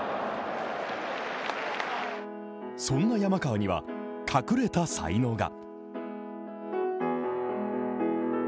そんな山川には、隠れた才能が。